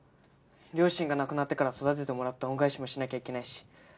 両親が亡くなってから育ててもらった恩返しもしなきゃいけないし。